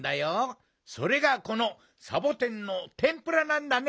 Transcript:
それがこのサボテンのてんぷらなんだね。